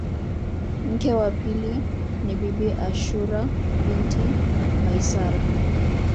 Mke wake wa pili ni Bibi Ashura binti Maisara